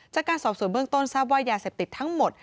จากการสอบส่วนเบื้องต้นทราบว่ายาเสพติดทั้งหมด